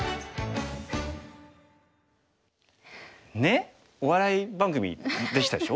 ねえお笑い番組でしたでしょ？